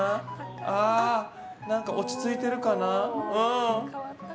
ああ、何か落ち着いてるかな。